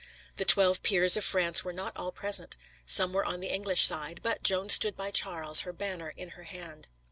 The Twelve Peers of France were not all present some were on the English side but Joan stood by Charles, her banner in her hand.